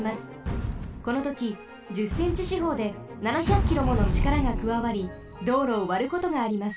このとき１０センチしほうで７００キロものちからがくわわり道路をわることがあります。